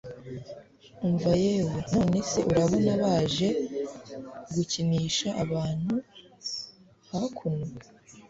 umva yewe! nonese urabona baje gukinisha abantu hakuno